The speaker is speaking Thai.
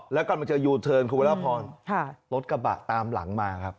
แล้วก่อนมาเจอยูเทิร์นคุณวรพรรถกระบะตามหลังมาครับ